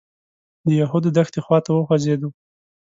د یهودو دښتې خوا ته وخوځېدو.